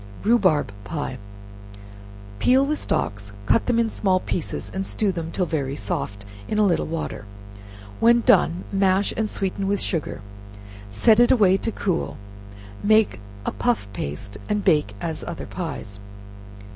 Rhubarb Pie. Peel the stalks, cut them in small pieces, and stew them till very soft in a little water; when done, mash and sweeten with sugar; set it away to cool; make a puff paste, and bake as other pies.